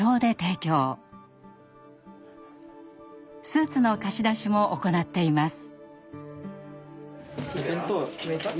スーツの貸し出しも行っています。